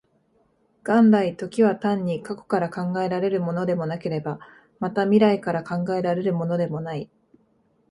元来、時は単に過去から考えられるものでもなければ、また未来から考えられるものでもない。